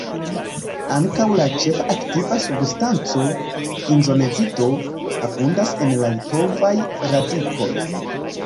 Ankaŭ la ĉefa aktiva substanco, ginzenozido, abundas en la litovaj radikoj.